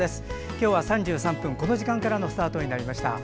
今日は３３分、この時間からのスタートになりました。